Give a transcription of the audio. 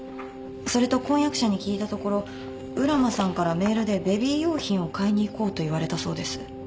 それと婚約者に聞いたところ浦真さんからメールで「ベビー用品を買いにいこう」と言われたそうです。